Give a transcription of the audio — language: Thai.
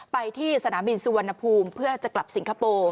ไปที่สนามบินสุวรรณภูมิเพื่อจะกลับสิงคโปร์